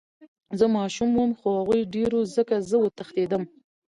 زه ماشوم وم خو هغوي ډير وو ځکه زه وتښتېدم.